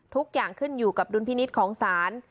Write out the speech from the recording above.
ทุกอย่างขึ้นอยู่กับดุลพินิษฐ์ของศาล